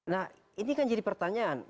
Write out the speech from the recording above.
nah ini kan jadi pertanyaan